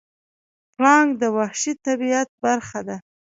پړانګ د وحشي طبیعت برخه ده.